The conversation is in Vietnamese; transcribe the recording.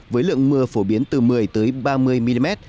với lượng mưa phổ biến từ một mươi ba mươi mm